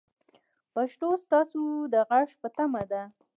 پښتو ستاسو د غږ په تمه ده.